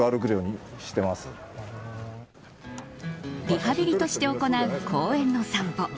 リハビリとして行う公園の散歩。